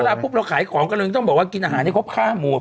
ปุ๊บเราขายของก็เลยต้องบอกว่ากินอาหารให้ครบ๕หมู่